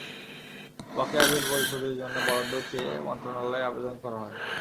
বকেয়া বিল পরিশোধের জন্য বরাদ্দ চেয়ে অর্থ মন্ত্রণালয়ে আবেদন করা হয়।